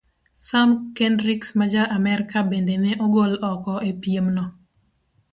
Sam Kendrieks ma Ja-Amerka bende ne ogol oko e piemno.